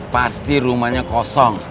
pasti rumahnya kosong